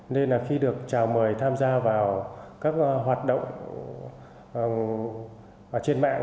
nên là khi được chào mời tham gia vào các hoạt động trên mạng